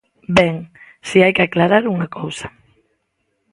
Ben, si hai que aclarar unha cousa.